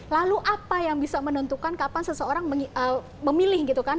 lalu apa yang bisa menentukan kapan seseorang memilih gitu kan